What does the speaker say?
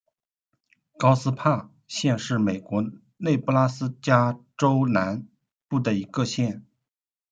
高斯帕县是美国内布拉斯加州南部的一个县。